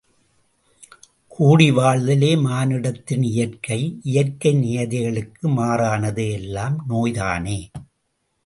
கூடி வாழ்தலே மானுடத்தின் இயற்கை இயற்கை நியதிகளுக்கு மாறானது எல்லாம் நோய்தானே!